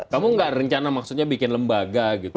kamu nggak rencana maksudnya bikin lembaga gitu